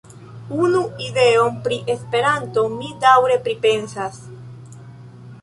Unu ideon pri Esperanto mi daŭre pripensas.